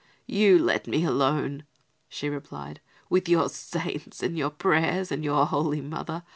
"You let me alone," she replied, "with your saints and your prayers and your Holy Mother.